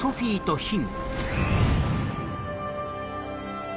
ヒン！